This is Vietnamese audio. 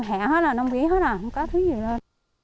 không có gì hết không có thứ gì hết